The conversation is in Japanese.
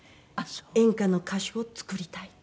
演歌の歌手を作りたいと。